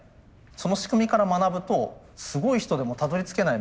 その仕組みから学ぶとすごい人でもたどりつけない